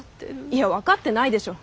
いや分かってないでしょ。